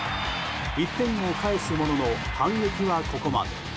１点を返すものの反撃はここまで。